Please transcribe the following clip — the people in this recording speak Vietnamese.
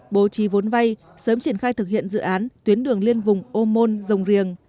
bố trí vốn vay sớm triển khai thực hiện dự án tuyến đường liên vùng âu môn dồng riềng